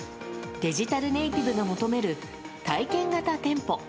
デジタルネイティブが求める体験型店舗。